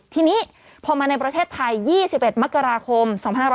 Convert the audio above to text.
ทีนี้พอมาในประเทศไทย๒๑มกราคม๒๕๖๒